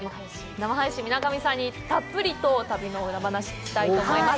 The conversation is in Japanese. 生配信、水上さんにたっぷりと旅の裏話聞きたいと思います。